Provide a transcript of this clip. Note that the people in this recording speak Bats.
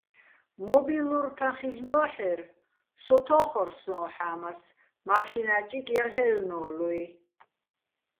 მობილურ თაჼ ხილ'ნო́ჰ̦ერ, სო თო́ხორ სო́ჼ ჰ̦ა́მას, მაშინა́ ჭიკ ჲალ'ჲაჲლნო́ლუჲ.